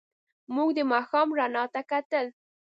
موږ د ماښام رڼا ته کتل.